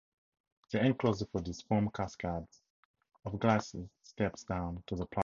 The enclosures for these form cascades of glazed steps down to the platforms.